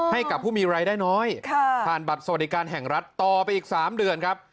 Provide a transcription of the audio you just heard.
ให้กับผู้มีรายได้น้อยผ่านบัตรสวัสดิการแห่งรัฐต่อไปอีก๓เดือนครับ